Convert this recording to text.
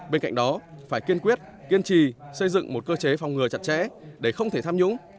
bên cạnh đó phải kiên quyết kiên trì xây dựng một cơ chế phòng ngừa chặt chẽ để không thể tham nhũng